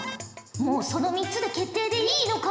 もうその３つで決定でいいのか？